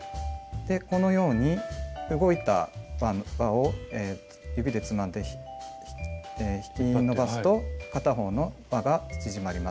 このように動いた輪を指でつまんで引き伸ばすと片方の輪が縮まります。